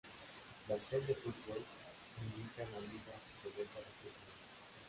Su plantel de fútbol milita en la Liga Cordobesa de Fútbol.